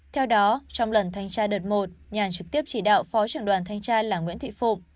theo đó trong lần thanh tra đợt một nhàn trực tiếp chỉ đạo phó trưởng đoàn thanh tra là nguyễn thị phụng